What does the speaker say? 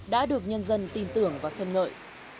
đã được nhân dân tin tưởng và khân ngợi